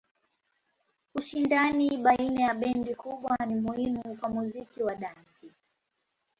Ushindani baina ya bendi kubwa ni muhimu kwa muziki wa dansi.